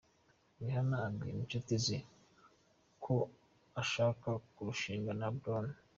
Rihanna abwira inshuti ze ko ashaka kurushinga na Brown.